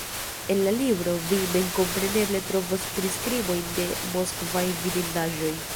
En la libro vi memkompreneble trovos priskribojn de moskvaj vidindaĵoj.